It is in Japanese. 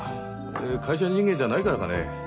会社人間じゃないからかねえ。